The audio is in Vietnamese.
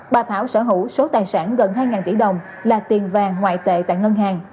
bà thảo sở hữu số tài sản gần hai tỷ đồng là tiền vàng ngoại tệ tại ngân hàng